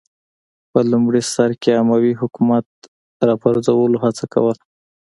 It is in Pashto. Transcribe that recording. په لومړي سر کې اموي حکومت راپرځولو هڅه کوله